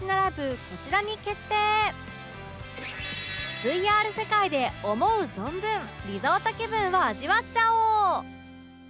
ＶＲ 世界で思う存分リゾート気分を味わっちゃおう